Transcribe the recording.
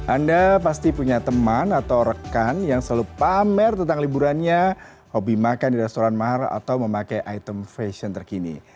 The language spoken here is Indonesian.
anda pasti punya teman atau rekan yang selalu pamer tentang liburannya hobi makan di restoran mahal atau memakai item fashion terkini